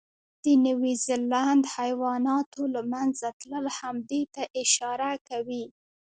د نیوزیلند حیواناتو له منځه تلل هم دې ته اشاره کوي.